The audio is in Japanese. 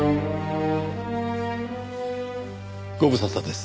ご無沙汰です。